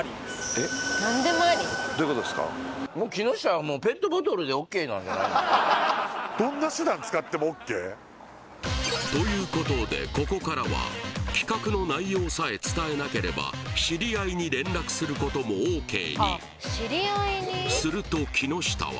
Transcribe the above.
もう木下はもうということでここからは企画の内容さえ伝えなければ知り合いに連絡することもＯＫにすると木下は